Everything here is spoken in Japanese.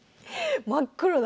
真っ黒だ！